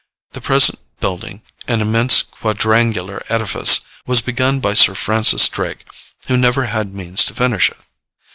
The present building, an immense quadrangular edifice, was begun by Sir Francis Drake, who never had means to finish it.